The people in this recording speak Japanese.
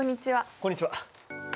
こんにちは。